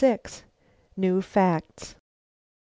NEW FACTS. Mr.